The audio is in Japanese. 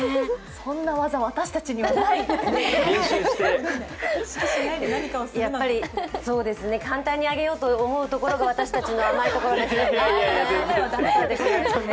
そんな技、私たちにはない簡単に上げようと思うところが私たちの甘いところですよね。